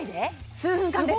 数分間です